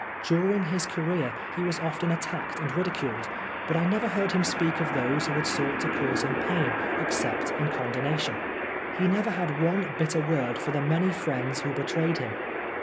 During his career he was often attacked and ridiculed, but I never heard him speak of 60 Oscar Wilde those who had sought to cause him pain except in condonation. He never had one bitter word for the many friends who betrayed him.